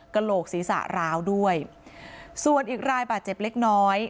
กระโหลกศีรษะร้าวด้วยส่วนอีกรายบาดเจ็บเล็กน้อย